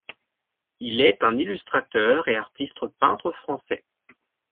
Il est un illustrateur et artiste peintre français.